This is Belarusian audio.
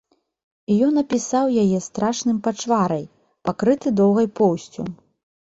Ён апісаў яе страшным пачварай, пакрыты доўгай поўсцю.